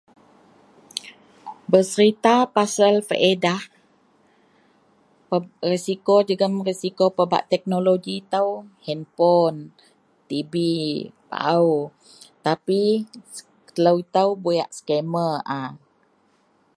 berserita pasel feadah resiko jegum risko pebak teknologi itou handpon TV baau tapi telou itou buyak scammer a